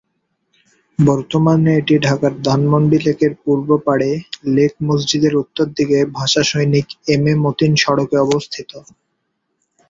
বর্তমানে এটি ঢাকার ধানমন্ডি লেকের পূর্ব পাড়ে লেক মসজিদের উত্তর দিকে ভাষা সৈনিক এমএ মতিন সড়কে অবস্থিত।